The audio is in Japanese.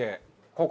ここ？